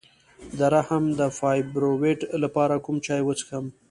د رحم د فایبرویډ لپاره کوم چای وڅښم؟